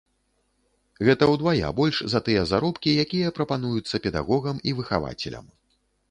Гэта ўдвая больш за тыя заробкі, якія прапануюцца педагогам і выхавацелям.